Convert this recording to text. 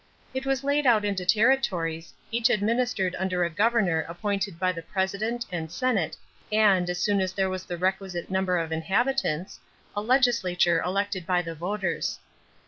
It was laid out into territories, each administered under a governor appointed by the President and Senate and, as soon as there was the requisite number of inhabitants, a legislature elected by the voters.